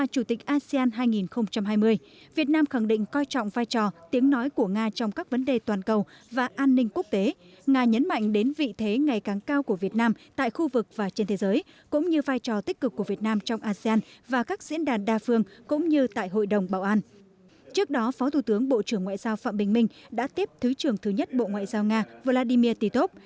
thứ trưởng thường trực bộ ngoại giao nga vladimir titov đã cùng với thứ trưởng thứ trưởng bộ ngoại giao nga vladimir titov chủ trì đối thoại chiến lược